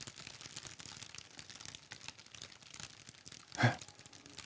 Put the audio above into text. えっ？